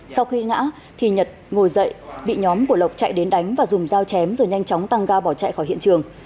sau khi ngã thì nhật ngồi dậy bị nhóm của lộc chạy đến đánh và dùng dao chém rồi nhanh chóng tăng ga bỏ chạy khỏi hiện trường